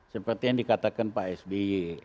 seperti yang dikatakan pak sby